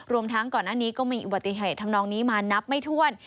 รวมทั้งก่อนหน้านี้ก็มีอุบัติเหตุทำนองนี้มานับไม่ถ้วน